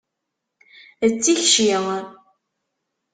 D tikci?